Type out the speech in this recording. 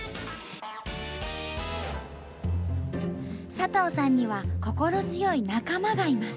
佐藤さんには心強い仲間がいます。